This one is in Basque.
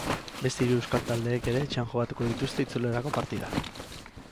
Beste hiru euskal taldeek ere etxean jokatuko dituzte itzulerako partidak.